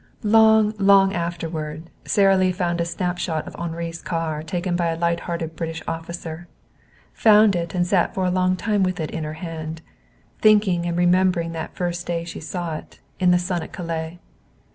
Long, long afterward, Sara Lee found a snapshot of Henri's car, taken by a light hearted British officer. Found it and sat for a long time with it in her hand, thinking and remembering that first day she saw it, in the sun at Calais.